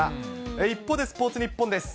一方で、スポーツニッポンです。